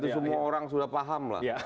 semua orang sudah paham